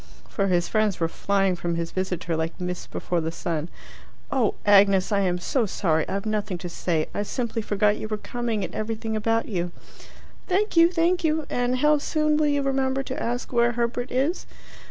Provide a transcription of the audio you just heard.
For his friends were flying from his visitor like mists before the sun. "Oh, Agnes, I am so sorry; I've nothing to say. I simply forgot you were coming, and everything about you." "Thank you, thank you! And how soon will you remember to ask where Herbert is?"